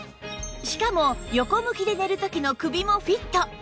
しかも横向きで寝る時の首もフィット